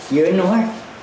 như anh nói